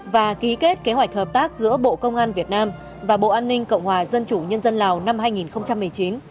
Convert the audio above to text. và ký kết kế hoạch hợp tác giữa bộ công an việt nam và bộ an ninh cộng hòa dân chủ nhân dân lào năm hai nghìn một mươi chín